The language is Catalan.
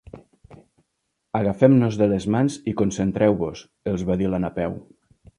Agafem-nos de les mans i concentreu-vos —els va dir la Napeu—.